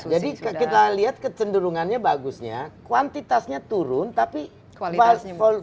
jadi kita lihat kecenderungannya bagusnya kuantitasnya turun tapi volumenya naik